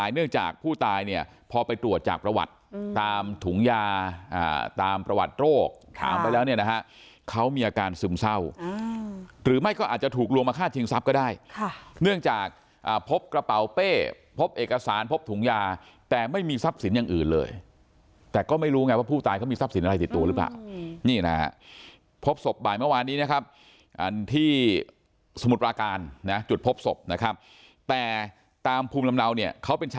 เนื่องจากผู้ตายเนี่ยพอไปตรวจจากประวัติตามถุงยาตามประวัติโรคถามไปแล้วเนี่ยนะฮะเขามีอาการซึมเศร้าหรือไม่ก็อาจจะถูกลวงมาฆ่าทิ้งทรัพย์ก็ได้เนื่องจากพบกระเป๋าเป้พบเอกสารพบถุงยาแต่ไม่มีทรัพย์สินอย่างอื่นเลยแต่ก็ไม่รู้ไงว่าผู้ตายเขามีทรัพย์สินอะไรติดตัวหรือเปล่าพบศพบ่ายเมื่อวาน